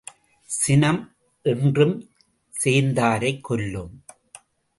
சினம் என்றும் சேர்ந்தாரைக் கொல்லும்.